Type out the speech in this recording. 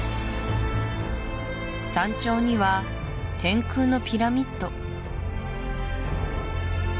山頂には天空のピラミッド